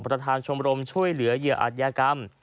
ประธานชมรมช่วยเหลือเหยื่ออาจยากรรม